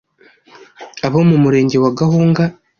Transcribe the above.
abo mu murenge wa Gahunga